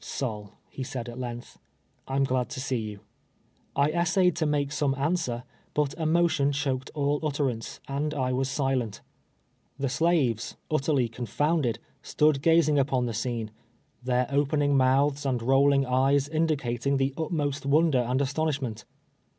'' Sol," he said at length, " Tm glad to see you." I essayed to make some answer, but emotion choked all utterance, and I was silent. The slaves, utterly confounded, stood gazing upon the scene, their open mouths and rolling eyes indicating the utmost wonder and astonishment.